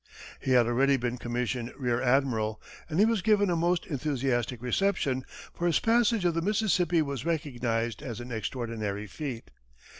He had already been commissioned rear admiral, and he was given a most enthusiastic reception, for his passage of the Mississippi was recognized as an extraordinary feat.